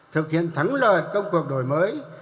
thực hiện thắng lợi công cuộc đổi mới